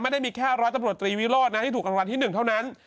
ไม่ได้มีแค่ร้อยตำรวจตรีวิโรธนะที่ถูกรางวัลที่๑เท่านั้น